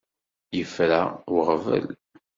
Yefra weɣbel.